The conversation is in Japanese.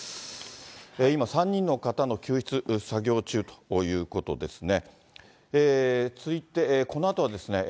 今、３人の方の救出作業中ということですね。